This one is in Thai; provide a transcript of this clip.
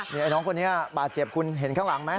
นี่ไอ้น้องคนนี้บาดเจ็บคุณเห็นข้างหลังไหม